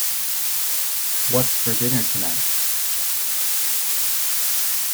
What's for dinner tonight?